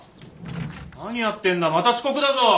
何やってんだまた遅刻だぞ！